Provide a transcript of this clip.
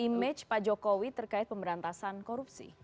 image pak jokowi terkait pemberantasan korupsi